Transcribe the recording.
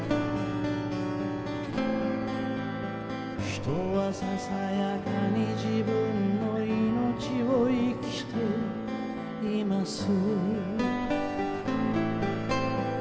「人はささやかに自分の生命を生きています」